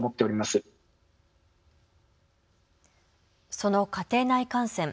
その家庭内感染。